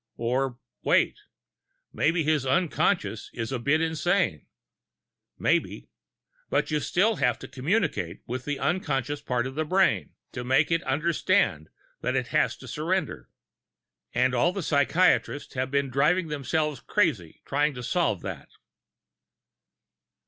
Or wait maybe his unconsciousness is a bit insane. Maybe. But you still have to communicate with that unconscious part of the brain, to make it understand that it has to surrender. And all the psychiatrists have been driving themselves crazy trying to solve that!"